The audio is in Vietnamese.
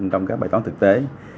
trong các bài tóng thực tế